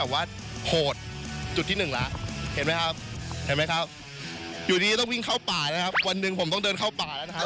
วันหนึ่งผมต้องเดินเข้าป่าแล้วนะครับ